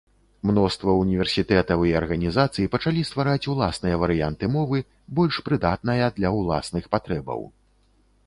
Мноства універсітэтаў і арганізацый пачалі ствараць уласныя варыянты мовы, больш прыдатная для ўласных патрэбаў.